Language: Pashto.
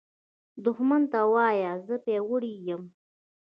دښمن ته وایه “زه پیاوړی یم”